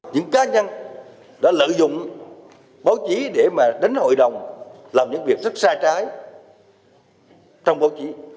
những cá nhân đã lợi dụng báo chí để mà đánh hội đồng làm những việc rất sai trái trong báo chí